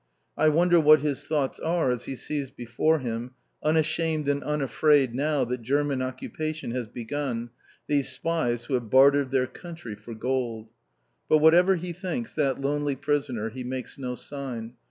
I wonder what his thoughts are as he sees before him, unashamed and unafraid now that German occupation has begun, these spies who have bartered their country for gold. But whatever he thinks, that lonely prisoner, he makes no sign.